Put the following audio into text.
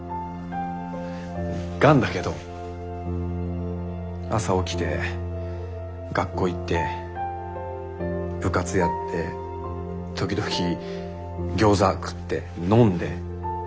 がんだけど朝起きて学校行って部活やって時々餃子食って飲んで。